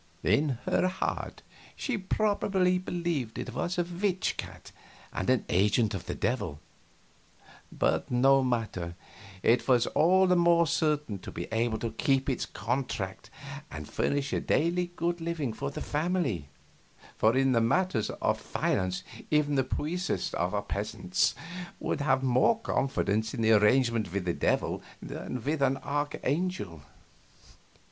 In her heart she probably believed it was a witch cat and an agent of the Devil; but no matter, it was all the more certain to be able to keep its contract and furnish a daily good living for the family, for in matters of finance even the piousest of our peasants would have more confidence in an arrangement with the Devil than with an archangel.